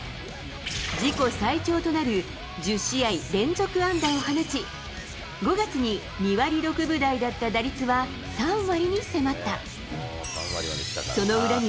自己最長となる、１０試合連続安打を放ち、５月に２割６分台だった打率は３割に迫った。